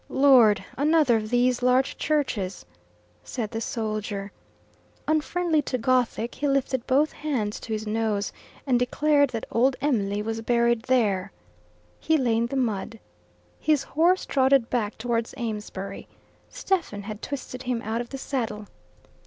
"Lord! another of these large churches!" said the soldier. Unfriendly to Gothic, he lifted both hands to his nose, and declared that old Em'ly was buried there. He lay in the mud. His horse trotted back towards Amesbury, Stephen had twisted him out of the saddle.